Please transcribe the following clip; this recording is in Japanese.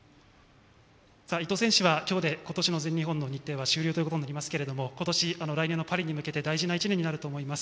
伊藤選手は今日で今年の全日本の日程は終了ということになりますけども今年、来年のパリオリンピックに向けて大事な１年になると思います。